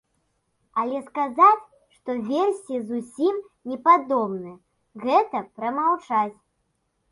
Але сказаць, што версіі зусім непадобныя, гэта прамаўчаць.